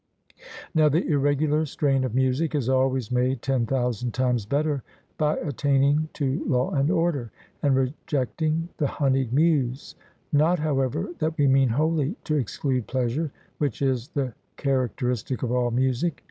Now the irregular strain of music is always made ten thousand times better by attaining to law and order, and rejecting the honeyed Muse not however that we mean wholly to exclude pleasure, which is the characteristic of all music.